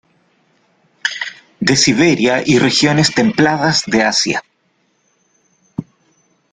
De Siberia y regiones templadas de Asia.